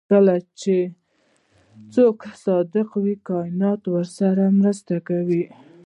کله چې څوک صادق وي کائنات ورسره مرسته کوي.